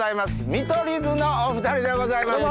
見取り図のお２人でございます。